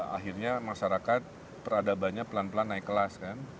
akhirnya masyarakat peradabannya pelan pelan naik kelas kan